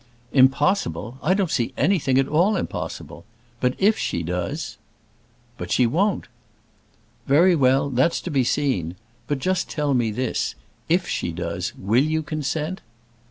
"Impossible! I don't see anything at all impossible. But if she does?" "But she won't." "Very well, that's to be seen. But just tell me this, if she does, will you consent?"